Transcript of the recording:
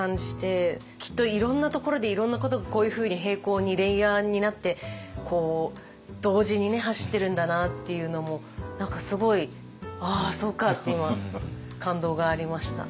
きっといろんなところでいろんなことがこういうふうに並行にレイヤーになって同時に走ってるんだなっていうのも何かすごいああそうかって今感動がありました。